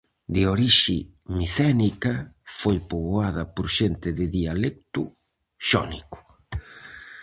De orixe micénica, foi poboada por xente de dialecto xónico.